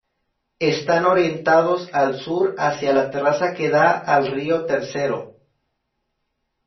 Están orientados al sur, hacia la terraza que da al río Ill.